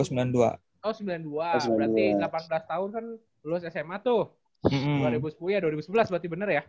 oh seribu sembilan ratus sembilan puluh dua berarti delapan belas tahun kan lulus sma tuh dua ribu sepuluh ya dua ribu sebelas berarti bener ya